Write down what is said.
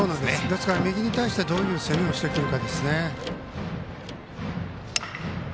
ですから、右に対してどういう攻めをしてくるかですね。